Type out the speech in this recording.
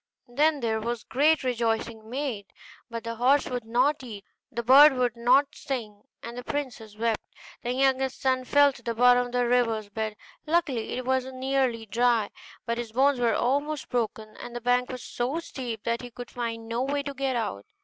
Then there was great rejoicing made; but the horse would not eat, the bird would not sing, and the princess wept. The youngest son fell to the bottom of the river's bed: luckily it was nearly dry, but his bones were almost broken, and the bank was so steep that he could find no way to get out.